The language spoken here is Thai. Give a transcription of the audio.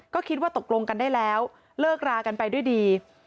ก็คิดว่าตกลงกันได้แล้วเลิกรากันไปด้วยดี